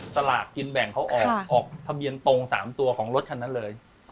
สลากกินแบ่งเขาออกออกทะเบียนตรง๓ตัวของรถคันนั้นเลย